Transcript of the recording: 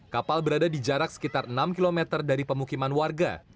kapal berada di jarak sekitar enam km dari pemukiman warga